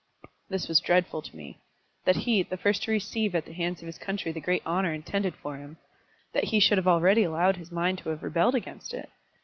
This was dreadful to me, that he, the first to receive at the hands of his country the great honour intended for him, that he should have already allowed his mind to have rebelled against it!